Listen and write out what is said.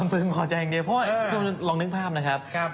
เพราะลองนึกภาพนะครับ